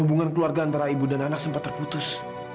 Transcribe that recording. hubungan keluarga antara ibu dan anak sempat terputus